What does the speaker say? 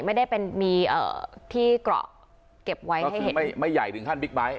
ไม่ได้เป็นมีที่เกราะเก็บไว้ให้เห็นไม่ใหญ่ถึงขั้นบิ๊กไบท์